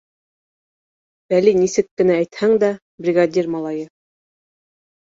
Вәли, нисек кенә әйтһәң дә, бригадир малайы.